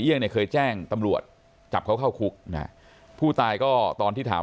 เนี่ยเคยแจ้งตำรวจจับเขาเข้าคุกนะผู้ตายก็ตอนที่ถาม